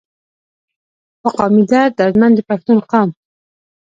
پۀ قامي درد دردمند د پښتون قام